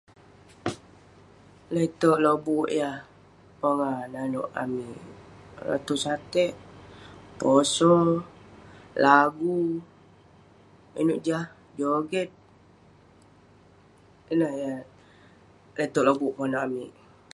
Lete'erk lobuk yah pongah nanouk amik ; ratu satek, poso, lagu, inouk jah? Joget. Ineh yah lete'erk lobuk pongah nouk amik.